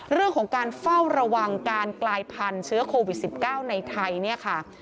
เรื่องของการเฝ้าระวังการกลายพันเชื้อโควิด๑๙ในไทย